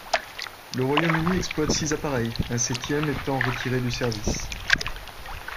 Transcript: Le Royaume-Uni exploite six appareils, un septième étant retiré du service.